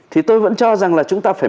thì tôi vẫn cho rằng là chúng ta phải